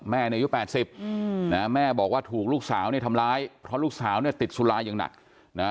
แม่ในยุค๘๐แม่บอกว่าถูกลูกสาวทำร้ายเพราะลูกสาวติดสุรายอย่างหนัก